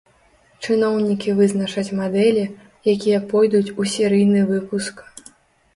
Чыноўнікі вызначаць мадэлі, якія пойдуць у серыйны выпуск.